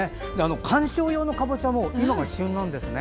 観賞用のカボチャも今が旬なんですね。